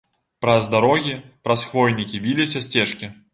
Праз дарогі, праз хвойнікі віліся сцежкі.